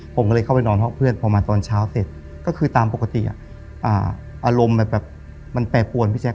ผมก็เลยเข้าไปนอนห้องเพื่อนพอมาตอนเช้าเสร็จก็คือตามปกติอารมณ์แบบมันแปรปวนพี่แจ๊